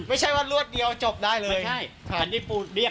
ไม่ใช่ว่ารวดเดียวจบได้เลย